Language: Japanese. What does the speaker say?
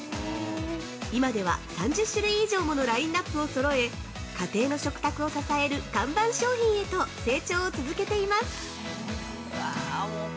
今では、３０種類以上ものラインナップをそろえ、家庭の食卓を支える看板商品へと成長を続けています！